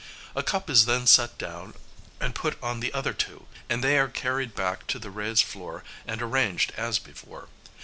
A cup is then set down and put on the other two, and they are carried back to the raised floor and arranged as before.